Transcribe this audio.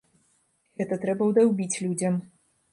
Гэта трэба ўдаўбіць людзям.